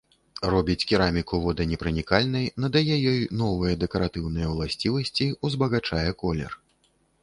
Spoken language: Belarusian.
Робіць кераміку воданепранікальнай, надае ёй новыя дэкаратыўныя ўласцівасці, узбагачае колер.